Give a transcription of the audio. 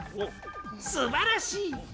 すばらしい！